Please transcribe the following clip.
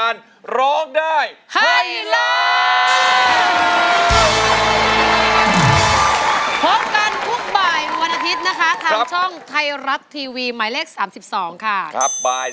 รองด้าย